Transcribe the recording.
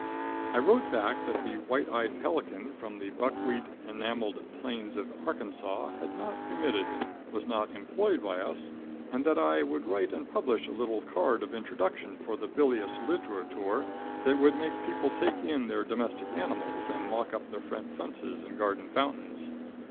I wrote back that the white eyed pelican from the buckwheat enamelled plains of Arkansas had not remitted, was not employed by us, and that I would write and publish a little card of introduction for the bilious litterateur that would make people take in their domestic animals, and lock up their front fences and garden fountains.